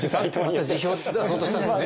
また辞表出そうとしたんですね。